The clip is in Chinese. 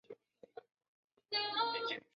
掌叶花烛为天南星科花烛属下的一个种。